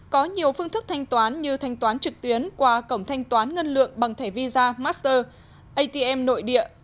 có nhiều phương thức thanh toán như thanh toán trực tuyến qua cổng thanh toán ngân lượng bằng thẻ visa master atm nội địa